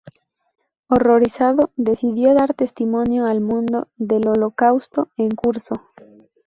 Horrorizado, decidió dar testimonio al mundo del Holocausto en curso.